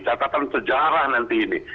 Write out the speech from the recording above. catatan sejarah nanti ini